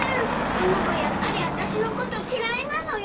あの子やっぱり私のこと嫌いなのよ。